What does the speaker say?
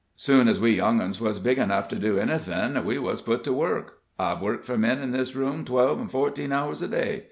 Soon as we young 'uns was big enough to do anything we wuz put to work. I've worked for men in this room twelve an' fourteen hours a day.